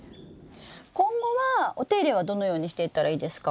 今後はお手入れはどのようにしていったらいいですか？